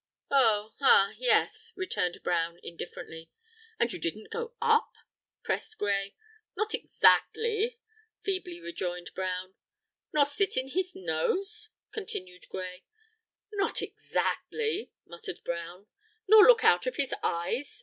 "Oh! ah! yes!" returned Brown, indifferently. "And you didn't go up?" pressed Gray. "Not exactly," feebly rejoined Brown. "Nor sit in his nose?" continued Gray. "Not exactly," muttered Brown. "Nor look out of his eyes?"